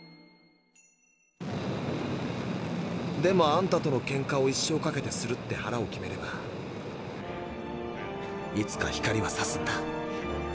でもあんたとのケンカを一生かけてするって腹を決めればいつか光はさすんだ。